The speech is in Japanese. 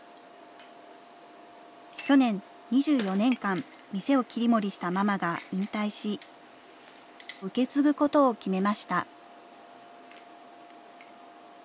去年、２４年間店を切り盛りしたママが引退し、受け継ぐことを決めました。